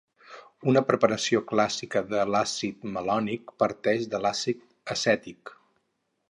Una preparació clàssica de l'àcid malònic parteix de l'àcid acètic.